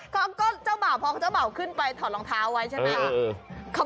ก็เจ้าบ่าวพอเจ้าบ่าวขึ้นไปถอดรองเท้าไว้ใช่ไหม